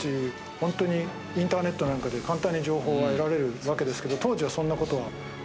ホントにインターネットなんかで簡単に情報が得られるわけですけど。